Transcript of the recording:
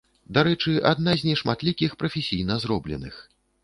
Дарэчы, адна з нешматлікіх прафесійна зробленых.